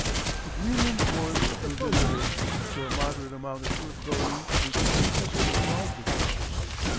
The Greenland ports were visited, where a moderate amount of fur clothing and fifty Esquimau dogs were purchased.